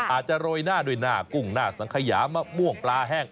อาจจะโรยหน้าด้วยหน้ากุ้งหน้าสังขยามะม่วงปลาแห้ง